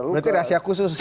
berarti rahasia khusus